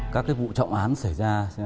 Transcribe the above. các cái vụ trọng án xảy ra